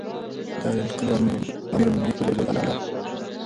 د عاليقدر اميرالمؤمنين حفظه الله تعالی